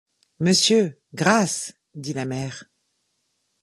Monsieur, grâce! dit la mère.